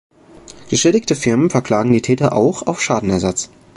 Geschädigte Firmen verklagen die Täter auch auf Schadenersatz.